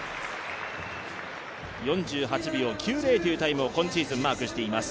４８秒９０というタイムを今シーズンマークしています。